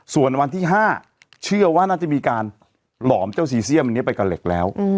ส่วนวันที่๕เชื่อว่าน่าจะมีการหลอมเจ้าซีเซียมอันนี้ไปกับเหล็กแล้ว